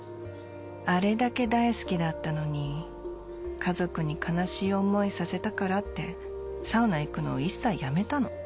あれだけ大好きだっ家族に悲しい思いさせたからってサウナ行くのを一切やめたの。